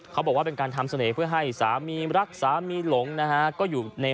เขาบอกว่าเป็นการทำเสน่ห์เพื่อให้สามีรักสามีหลงนะฮะ